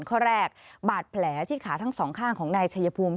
ข้อแรกบาดแผลที่ขาทั้งสองข้างของนายชัยภูมิ